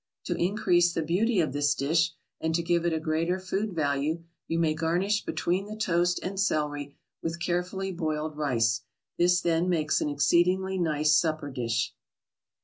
To increase the beauty of this dish, and to give it a greater food value, you may garnish between the toast and celery with carefully boiled rice; this then makes an exceedingly nice supper dish.